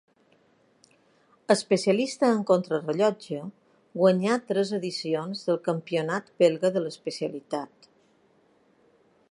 Especialista en contrarellotge, guanyà tres edicions del campionat belga de l'especialitat.